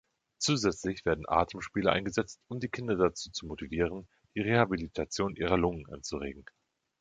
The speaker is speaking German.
Zusätzlich werden Atemspiele eingesetzt, um die Kinder dazu zu motivieren, die Rehabilitation ihrer Lungen anzuregen.